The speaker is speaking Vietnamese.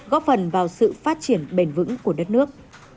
góp phần vào sự phát triển bền vững của đất nước